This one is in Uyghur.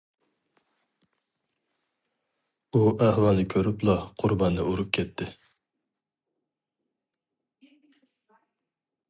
ئۇ ئەھۋالنى كۆرۈپلا قۇرباننى ئۇرۇپ كەتتى.